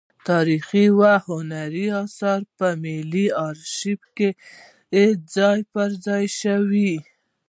تاریخي او هنري اثار په ملي ارشیف کې ځای پر ځای شول.